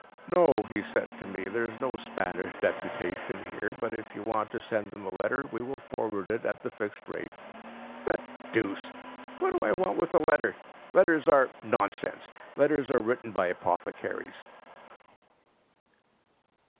"No," he said to me, "there is no Spanish deputation here; but if you want to send them a letter, we will forward it at the fixed rate." The deuce! What do I want with a letter? Letters are nonsense. Letters are written by apothecaries....